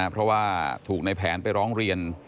เพราะว่าถูกในแผนไปร้องเรียน